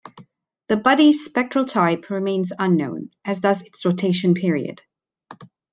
The body's spectral type remains unknown, as does its rotation period.